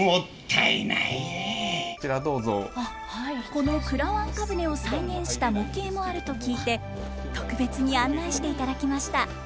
このくらわんか舟を再現した模型もあると聞いて特別に案内していただきました。